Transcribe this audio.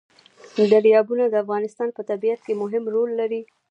دریابونه د افغانستان په طبیعت کې مهم رول لري.